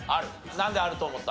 なんであると思った？